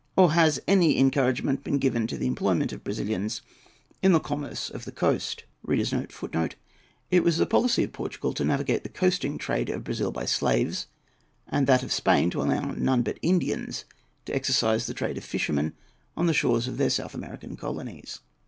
Or has any encouragement been given to the employment of Brazilians in the commerce of the coast?[A] [Footnote A: It was the policy of Portugal to navigate the coasting trade of Brazil by slaves; and that of Spain to allow none but Indians to exercise the trade of fishermen on the shores of their South American colonies.